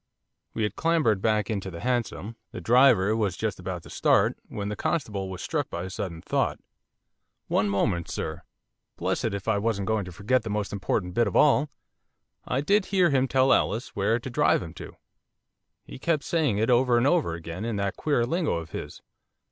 We had clambered back into the hansom, the driver was just about to start, when the constable was struck by a sudden thought. 'One moment, sir, blessed if I wasn't going to forget the most important bit of all. I did hear him tell Ellis where to drive him to, he kept saying it over and over again, in that queer lingo of his.